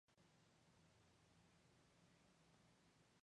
Allí formó parte de una banda de rock.